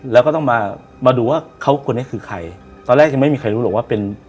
แล้วก็ต้องมามาดูว่าเขาคนนี้คือใครตอนแรกยังไม่มีใครรู้หรอกว่าเป็น